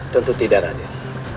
tentu tidak raden